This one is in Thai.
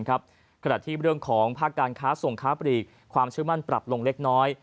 ขณะที่เรื่องของภาคการค้าส่งค้าปลีกความเชื่อมั่นปรับลงเล็กน้อย